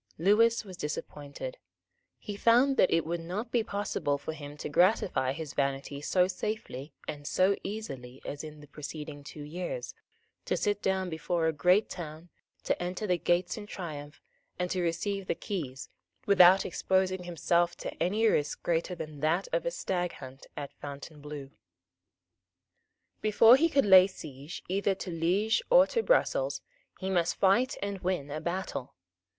Lewis was disappointed. He found that it would not be possible for him to gratify his vanity so safely and so easily as in the two preceding years, to sit down before a great town, to enter the gates in triumph, and to receive the keys, without exposing himself to any risk greater than that of a staghunt at Fontainebleau. Before he could lay siege either to Liege or to Brussels he must fight and win a battle.